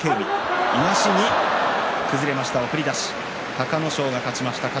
隆の勝が勝ちました。